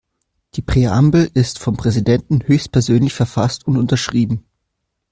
Die Präambel ist vom Präsidenten höchstpersönlich verfasst und unterschrieben.